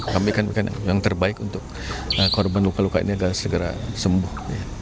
kami kan yang terbaik untuk korban luka luka ini agar segera sembuh